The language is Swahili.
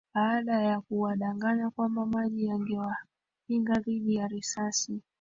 Baada ya kuwadanganya kwamba maji yangewakinga dhidi ya risasi